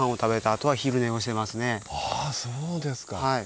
あそうですか。はい。